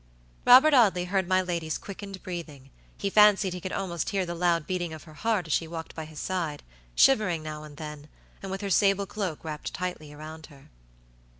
Robert Audley heard my lady's quickened breathing, he fancied he could almost hear the loud beating of her heart as she walked by his side, shivering now and then, and with her sable cloak wrapped tightly around her.